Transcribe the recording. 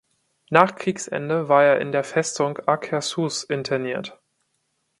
Nach Kriegsende war er in der Festung Akershus interniert.